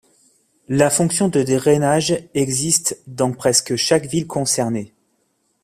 La fonction de drainage existe dans presque chaque ville concernée.